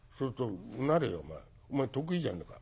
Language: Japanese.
お前得意じゃねえか。